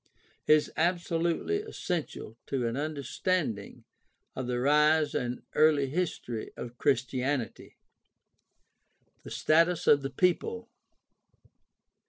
is absolutely essential to an understanding of the rise and early history of Christianity. The status of the people.